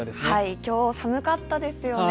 今日は寒かったですよね。